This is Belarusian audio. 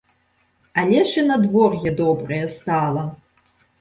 Але ж і надвор'е добрае стала!